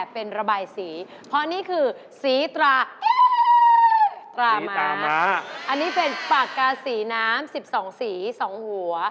เพราะนี่คือสีตราอันนี้เป็นปากกาสีน้ำ๑๒สี๒หัว